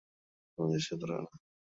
কোনো কিছু ধরবে না!